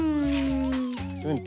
うん。